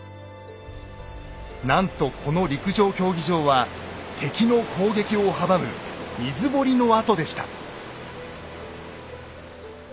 なんとこの陸上競技場は敵の攻撃を阻む水堀の跡でした。